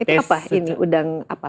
itu apa ini udang apa